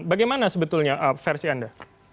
bagaimana sebetulnya versi anda